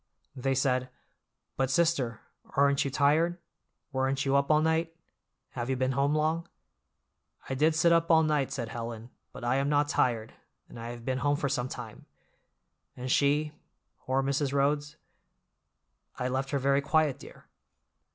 They said—But sister, aren't you tired? Weren't you up all night? Have you been home long?" "I did sit up all night," said Helen, "but I am not tired, and I have been home for some time." "And she—poor Mrs. Rhodes?" "I left her very quiet, dear."